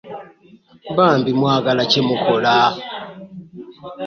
Bambi mwagala kyemukola.